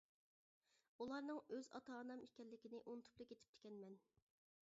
ئۇلارنىڭ ئۆز ئاتا-ئانام ئىكەنلىكىنى ئۇنتۇپلا كېتىپتىكەنمەن.